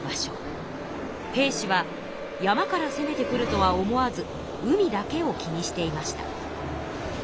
平氏は山からせめてくるとは思わず海だけを気にしていました。